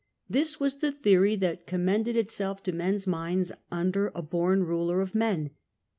This was the theory that commended itself to men's minds under a born ruler of men.